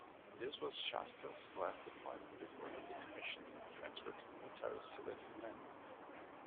This was "Shasta's" last deployment before her decommissioning transfer to Military Sealift Command.